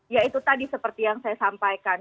ya itu tadi seperti yang saya sampaikan